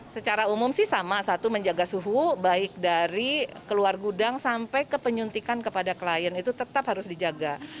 secara umum sih sama satu menjaga suhu baik dari keluar gudang sampai ke penyuntikan kepada klien itu tetap harus dijaga